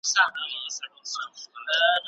آیا کلتور د طلاق په اړه د خلګو انځور تغیر کوي؟